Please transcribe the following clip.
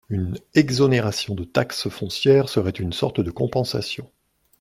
Une exonération de taxe foncière serait une sorte de compensation.